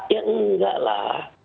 ya nggak lah